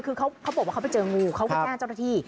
คือเขาบอกว่าเขาไปเจองูเขาก็แจ้งเจ้าหน้าที่